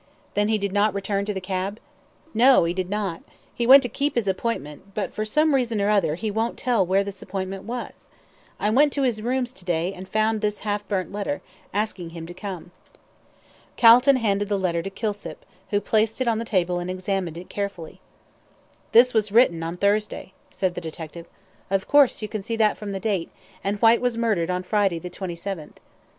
"Then he did not return to the cab?" "No, he did not, he went to keep his appointment, but, for some reason or other, he won't tell where this appointment was. I went to his rooms to day and found this half burnt letter, asking him to come." Calton handed the letter to Kilsip, who placed it on the table and examined it carefully. "This was written on Thursday," said the detective. "Of course you can see that from the date; and Whyte was murdered on Friday, the 27th."